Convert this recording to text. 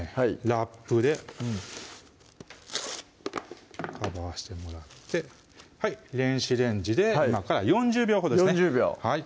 ラップでカバーしてもらって電子レンジで今から４０秒ほどですね